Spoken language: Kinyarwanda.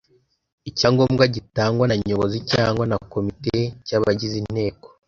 icyangombwa gitangwa na Nyobozi cyangwa na komite cy abagize Inteko